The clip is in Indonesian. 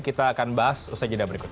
kita akan bahas usai jeda berikut